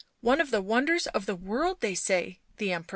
One of the wonders of the world, they say, the Empress."